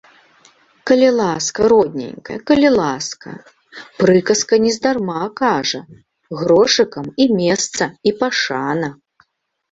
Калі ласка, родненькая, калі ласка, прыказка нездарма кажа, грошыкам і месца і пашана.